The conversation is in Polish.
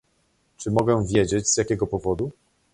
"Czy mogę wiedzieć z jakiego powodu?"